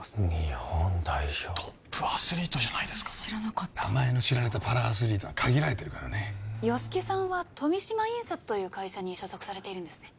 日本代表トップアスリートじゃないですか知らなかった名前の知られたパラアスリートは限られてるからね吉木さんは富島印刷という会社に所属されているんですね